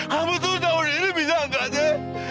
kamu tuh tahun ini bilang gak deh